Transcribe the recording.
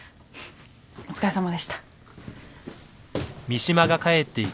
お疲れさまでした。